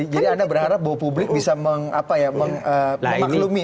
jadi anda berharap publik bisa mengaklumi